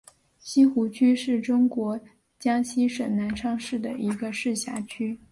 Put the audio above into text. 西湖区是中国江西省南昌市的一个市辖区。